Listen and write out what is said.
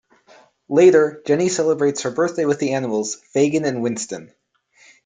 Later, Jenny celebrates her birthday with the animals, Fagin and Winston.